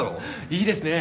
いいですね！